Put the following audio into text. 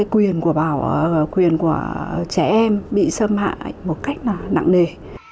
quyền của bảo vệ quyền của trẻ em bị xâm hại một cách nặng nề